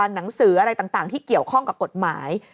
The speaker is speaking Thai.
หนังสืออะไรต่างที่เกี่ยวข้องกับกฎหมาย